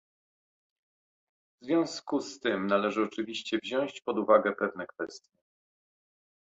W związku z tym należy oczywiście wziąć pod uwagę pewne kwestie